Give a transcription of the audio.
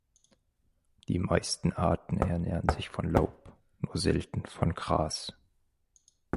Die meisten Arten ernähren sich von Laub, nur selten von Gras.